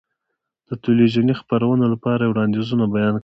د تلویزیوني خپرونو لپاره یې وړاندیزونه بیان کړل.